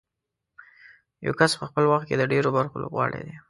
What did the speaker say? یو کس په خپل وخت کې د ډېرو برخو لوبغاړی دی.